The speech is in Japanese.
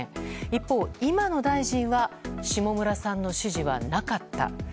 一方、今の大臣は下村さんの指示はなかった。